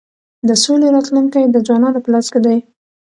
د سولی راتلونکی د ځوانانو په لاس کي دی.